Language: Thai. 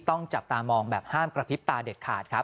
ต้องจับตามองแบบห้ามกระพริบตาเด็ดขาดครับ